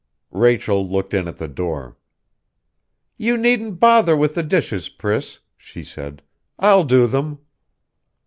Rachel looked in at the door. "You needn't bother with the dishes, Priss," she said. "I'll do them."